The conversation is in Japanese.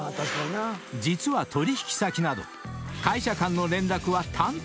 ［実は取引先など会社間の連絡は担当者に連絡］